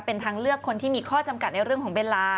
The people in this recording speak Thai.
เป็นทางเลือกคนที่มีข้อจำกัดในเรื่องของเวลา